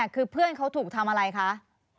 คือเพื่อนเขาถูกทำอะไรคะ